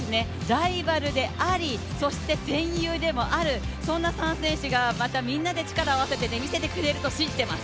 ライバルでありそして戦友でもあるそんな３選手がまたみんなで力を合わせてくれると信じています。